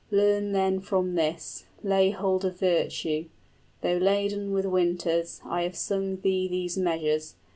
Learn then from this, Lay hold of virtue! Though laden with winters, I have sung thee these measures.